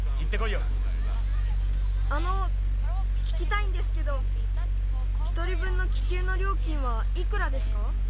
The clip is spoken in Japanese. あのききたいんですけど１人ぶんの気球のりょうきんはいくらですか？